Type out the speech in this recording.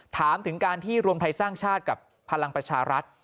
ถามถึงการที่รวมไทยสร้างชาติกับพลังประชารัฐ